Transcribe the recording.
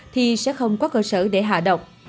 thì sẽ không có cơ sở để hạ độc